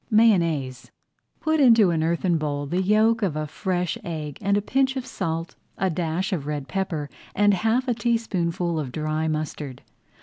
MAYONNAISE Put into an earthen bowl the yolk of a fresh egg and a pinch of salt, a dash of red pepper, and half a teaspoonful of dry mustard.